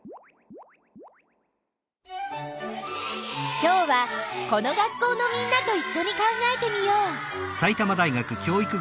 今日はこの学校のみんなといっしょに考えてみよう。